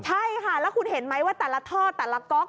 ใช่ค่ะแล้วคุณเห็นไหมว่าแต่ละท่อแต่ละก๊อก